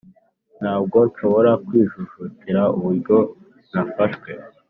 ntabwo nshobora kwijujutira uburyo nafashwe.